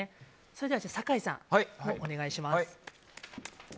それでは酒井さん、お願いします。